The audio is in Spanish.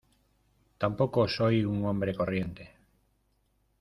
tampoco soy un hombre corriente.